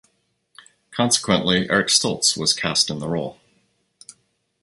Consequently, Eric Stoltz was cast in the role.